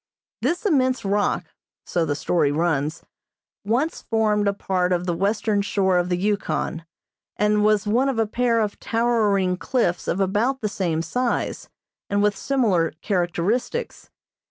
This immense rock (so the story runs) once formed a part of the western shore of the Yukon, and was one of a pair of towering cliffs of about the same size, and with similar characteristics.